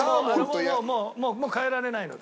もう変えられないので。